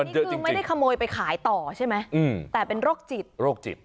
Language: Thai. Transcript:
นี่คือไม่ได้ขโมยไปขายต่อใช่ไหมแต่เป็นโรคจิตโรคจิต